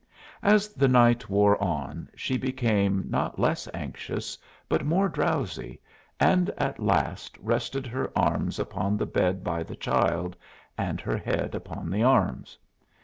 As the night wore on she became not less anxious, but more drowsy, and at last rested her arms upon the bed by the child and her head upon the arms.